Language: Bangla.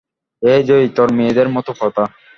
এ যে ইতর মেয়েদের মতো কথা!